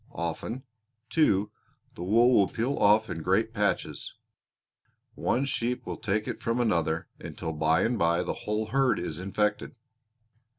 Often, too, the wool will peel off in great patches. One sheep will take it from another, until by and by the whole herd is infected."